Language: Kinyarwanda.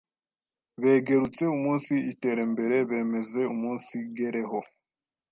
begerutse umunsi iterembere bemeze umunsigereho